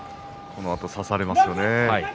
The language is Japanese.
このあと差されますよね。